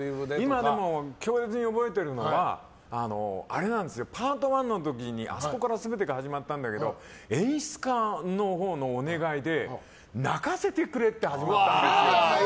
今でも強烈に覚えてるのはパート１の時にあそこから全てが始まったんだけど演出家のお願いで泣かせてくれって始まったんですよ。